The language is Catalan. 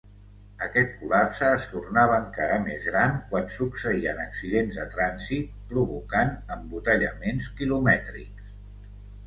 Aquest col·lapse es tornava encara més gran quan succeïen accidents de trànsit, provocant embotellaments quilomètrics.